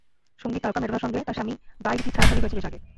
সংগীত তারকা ম্যাডোনার সঙ্গে তাঁর স্বামী গাই রিচির ছাড়াছাড়ি হয়েছে বেশ আগে।